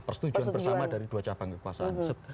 persetujuan bersama dari dua cabang kekuasaan